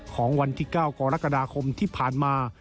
ของวันที่๙กรกฎาคมที่ผ่านมา